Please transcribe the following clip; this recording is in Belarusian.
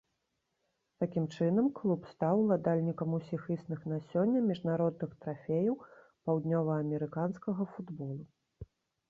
Такім чынам, клуб стаў уладальнікам усіх існых на сёння міжнародных трафеяў паўднёваамерыканскага футболу.